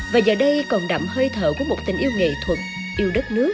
và giờ đây còn đậm hơi thở của một tình yêu nghệ